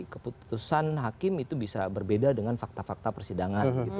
keputusan hakim itu bisa berbeda dengan fakta fakta persidangan